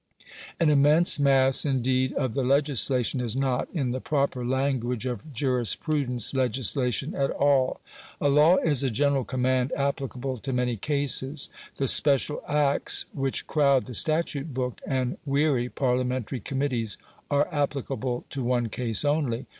An immense mass, indeed, of the legislation is not, in the proper language of jurisprudence, legislation at all. A law is a general command applicable to many cases. The "special acts" which crowd the statute book and weary Parliamentary committees are applicable to one case only.